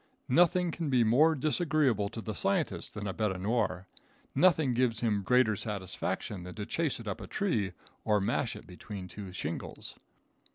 Nothing can be more disagreeable to the scientist than a bete noir. Nothing gives him greater satisfaction than to chase it up a tree or mash it between two shingles.